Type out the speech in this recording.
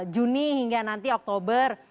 juni hingga nanti oktober